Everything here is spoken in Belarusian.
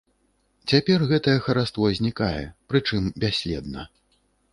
Цяпер гэтае хараство знікае, прычым бясследна.